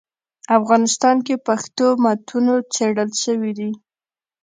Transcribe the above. افغانستان کي پښتو متونو څېړل سوي دي.